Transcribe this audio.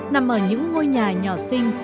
nằm ở những ngôi nhà nhỏ xinh